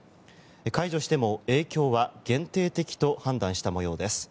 解除しても影響は限定的と判断した模様です。